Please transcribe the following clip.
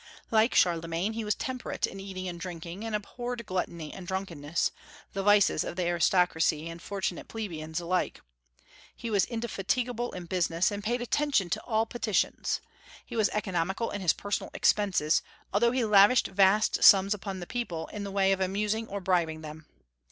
Like Charlemagne, he was temperate in eating and drinking, and abhorred gluttony and drunkenness, the vices of the aristocracy and of fortunate plebeians alike. He was indefatigable in business, and paid attention to all petitions. He was economical in his personal expenses, although he lavished vast sums upon the people in the way of amusing or bribing them.